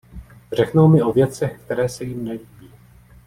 Řeknou mi o věcech, které se jim nelíbí.